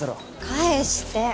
返して！